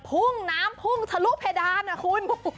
พุ่งน้ำพุ่งทะลุเพดานนะคุณ